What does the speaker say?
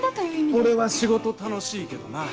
俺は仕事楽しいけどな。